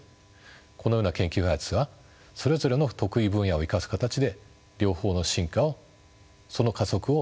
このような研究開発はそれぞれの得意分野を生かす形で両方の進化をその加速を促します。